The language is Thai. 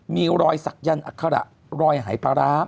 มีรอยศักดิ์ยั่นอัคระรอยหายพระร้า